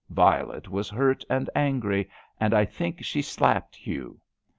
Violet was hurt and angry, and I think she slapped Hugh.